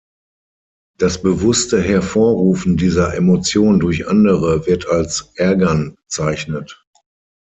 Das bewusste Hervorrufen dieser Emotion durch Andere wird als "ärgern" bezeichnet.